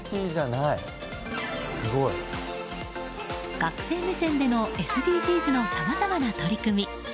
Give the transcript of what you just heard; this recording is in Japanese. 学生目線でのＳＤＧｓのさまざまな取り組み。